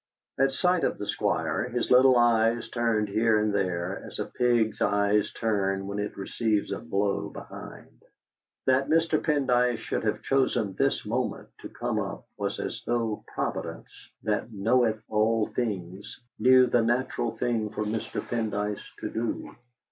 At sight of the Squire his little eyes turned here and there, as a pig's eyes turn when it receives a blow behind. That Mr. Pendyce should have chosen this moment to come up was as though Providence, that knoweth all things, knew the natural thing for Mr. Pendyce to do.